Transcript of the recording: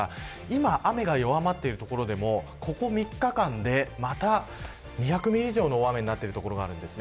今、雨が弱まっている所でもここ３日間でまた２００ミリ以上の大雨になっている所があります。